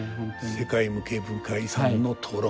世界無形文化遺産の登録